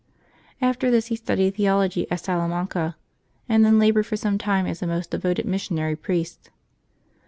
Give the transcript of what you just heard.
After this he studied theology at Salamanca, and then labored for some time as a most devoted missionary priest.